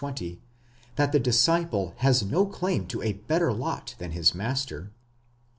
20), that the disciple has no claim to a better lot than his master (v.